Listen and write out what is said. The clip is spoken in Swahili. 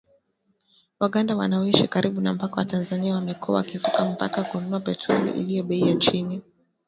Waganda wanaoishi karibu na mpaka wa Tanzania wamekuwa wakivuka mpaka kununua petroli iliyo bei ya chini.